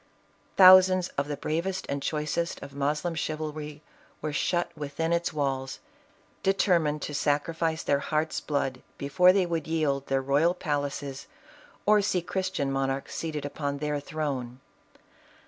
Thousands of the bravest and choicest of Mos Yivulry were shut within its walls, determined to Kicrifice tht ir heart's blood, before they would yield their royal palaces, or see Christian monarchs seated upon their throne.